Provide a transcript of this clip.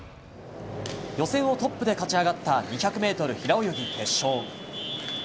予選をトップで勝ち上がった２００ｍ平泳ぎ決勝。